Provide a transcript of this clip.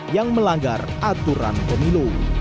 yang melanggar aturan pemilu